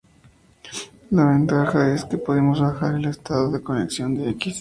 La ventaja es que podemos bajar el estado de conexión de "x".